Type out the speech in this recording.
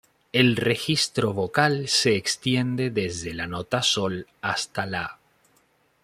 El registro vocal se extiende desde la nota "sol" hasta "la".